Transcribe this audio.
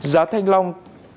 giá thanh long